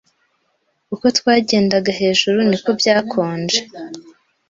Uko twagendaga hejuru, niko byakonje.